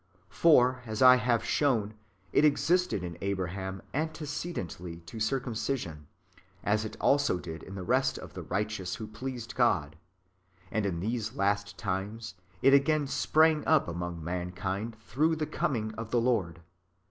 For, as I have shown, it existed in Abraham antecedently to circumcision, as it also did in the rest of the righteous who pleased God : and in these last times, it again sprang up among mankind through the coming of the Lord.